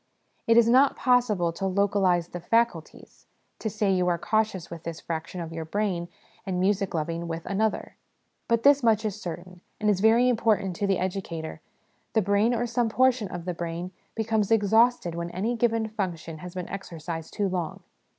It is not possible to localise the 'faculties' to say you are cautious with this fraction of your brain, and music loving with another ; but this much is certain, and is very important to the educator : the brain, or some portion of the brain, becomes exhausted when any given function has been exercised too long.